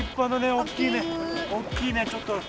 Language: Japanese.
大きいねちょっと。